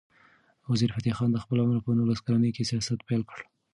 وزیرفتح خان د خپل عمر په نولس کلنۍ کې سیاست پیل کړ.